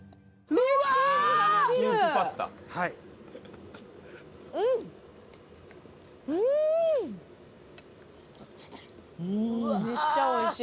めっちゃおいしい。